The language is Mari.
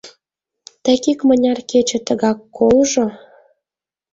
Тек икмыняр кече тыгак колжо!